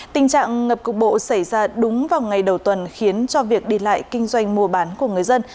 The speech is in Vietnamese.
tình trạng ngập cục bộ xảy ra đúng vào ngày đầu tuần khiến cho việc đi lại kinh doanh mua bán của người dân